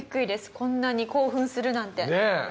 こんなに興奮するなんて。ねえ。